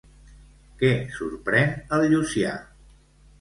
Què sorprèn el Llucià?